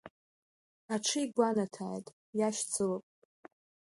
Аҽы игәанаҭааит, иашьцылап.